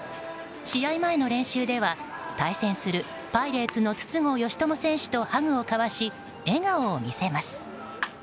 試合前の練習では対戦するパイレーツの筒香嘉智選手とハグを交わし笑顔を見せます。